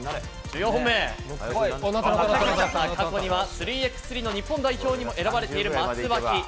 過去には３×３の日本代表にも選ばれている松脇。